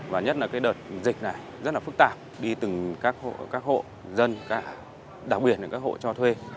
và nhất là cái đợt dịch này rất là phức tạp đi từng hộ dân đặc biệt là các hộ cho thuê